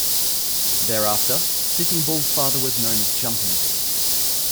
Thereafter, Sitting Bull's father was known as Jumping Bull.